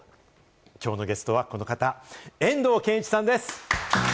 今日のゲストはこの方、遠藤憲一さんです。